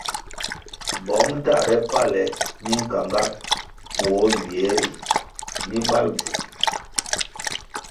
Bong tahre pale minkanga puoh ywie ri mi mbal bvu.